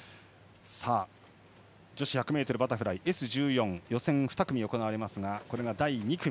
女子１００ｍバタフライＳ１４は予選２組が行われますが、これが第２組。